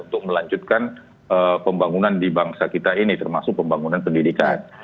untuk melanjutkan pembangunan di bangsa kita ini termasuk pembangunan pendidikan